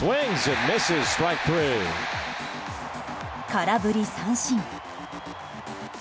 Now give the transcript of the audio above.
空振り三振。